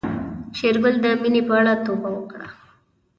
شېرګل د مينې په اړه توبه وکړه.